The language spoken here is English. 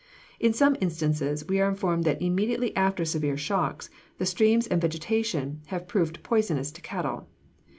In some instances, we are informed that immediately after severe shocks, the streams and vegetation have proved poisonous to cattle.